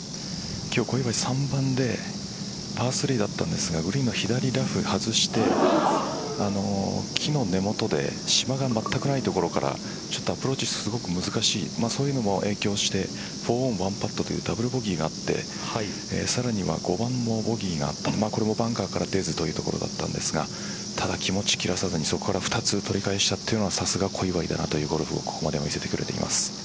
今日、小祝は３番でパー３だったんですがグリーンの左ラフ、外して木の根元で芝がまったくない所からアプローチ、すごく難しいそういうのも影響して４オン１パットというダブルボギーがあってさらには５番もボギーがあってバンカーから出ずというところだったんですがただ気持ちを切らさずにそこから二つ取り返したのはさすが小祝だなというゴルフを見せてくれています。